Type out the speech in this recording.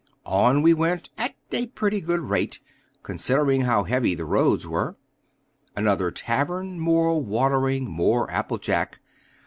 On we went at a pretty good rate, considering how heavy the roads were. Another tavern, more watering, more apple jack.